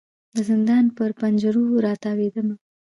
د زندان پر پنجرو را تاویدمه